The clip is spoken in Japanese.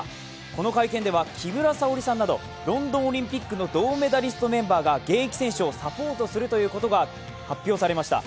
この会見では木村沙織さんなどロンドンオリンピックの銅メダリストメンバーがサポートするということが発表されました。